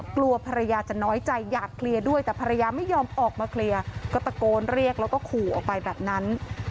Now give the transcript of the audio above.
โกนเรียกแล้วก็ขู่ออกไปแบบนั้น